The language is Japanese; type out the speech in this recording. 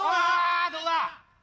どうだ？